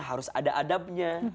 harus ada adabnya